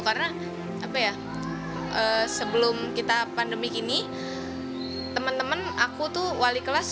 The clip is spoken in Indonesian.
karena apa ya sebelum kita pandemi kini teman teman aku tuh wali kelas